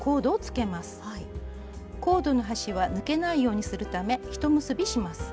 コードの端は抜けないようにするためひと結びします。